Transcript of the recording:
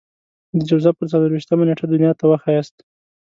د جوزا پر څلور وېشتمه نېټه دنيا ته وښاياست.